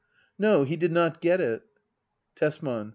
No, he did not get it. Tesman.